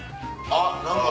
あっ何か。